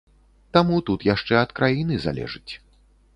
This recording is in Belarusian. Таму тут яшчэ ад краіны залежыць.